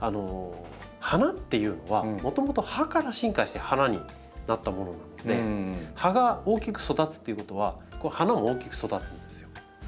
花っていうのはもともと葉から進化して花になったものなので葉が大きく育つっていうことは花も大きく育つんですよ。